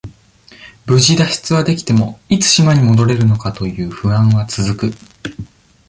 無事、脱出はできても、いつ島に戻れるのか、という不安は続く。